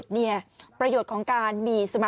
แถมยังไม่ยอมกลับอ่ะ